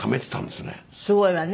すごいわね。